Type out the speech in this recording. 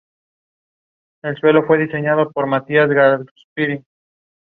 Eggs can be found on mistletoe ("Viscum album") in September and October.